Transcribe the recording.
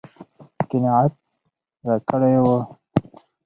قناعت راکړی و.